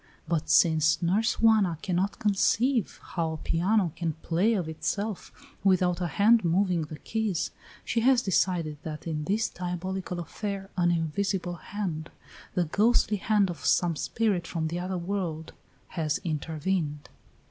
But since Nurse Juana cannot conceive how a piano can play of itself, without a hand moving the keys, she has decided that in this diabolical affair an invisible hand, the ghostly hand of some spirit from the other world, has intervened.